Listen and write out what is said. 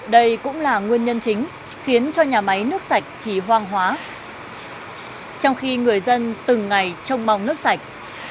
đây cũng là nguyên nhân chính khiến cho nhà máy nước sạch thì hoang hóa trong khi người dân từng ngày trông mong nước sạch